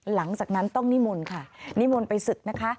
หลังจากนั้นต้องนิมนต์ค่ะนิมนต์ไปศึกนะคะ